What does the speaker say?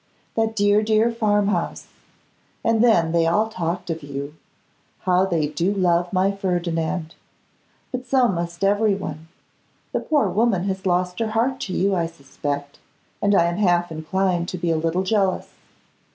That dear, dear farm house! And then they all talked of you. How they do love my Ferdinand! But so must everyone. The poor woman has lost her heart to you, I suspect, and I am half inclined to be a little jealous.